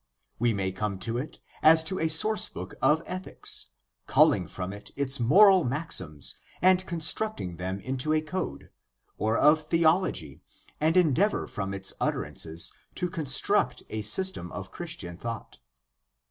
We may come to it as to a source book of ethics, culling from it its moral maxims and constructing them into a code, or of theology, and endeavor from its utterances to construct a system of Christian thought.